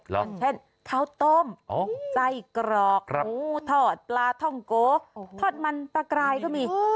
อย่างเช่นข้าวต้มไส้กรอกหมูทอดปลาท่องโกทอดมันปลากรายก็มี